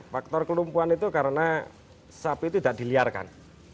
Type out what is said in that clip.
faktor kelumpuhan itu karena sapi itu tidak diliarkan